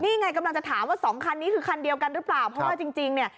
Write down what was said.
นี่ไงกำลังจะถามว่าสองคันนี้คือคันเดียวกันหรือเปล่าเพราะว่าจริงเนี่ย